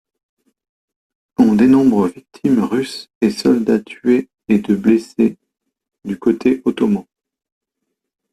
On dénombre victimes russes et soldats tués et de blessés du côté ottoman.